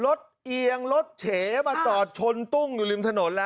ลดเอียงลดเฉมาถอดชนตุ้งอยู่ลิมถนนนะ